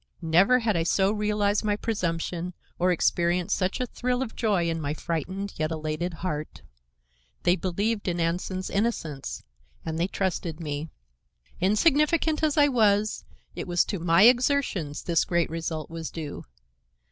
Never had I so realized my presumption or experienced such a thrill of joy in my frightened yet elated heart. They believed in Anson's innocence and they trusted me. Insignificant as I was, it was to my exertions this great result was due.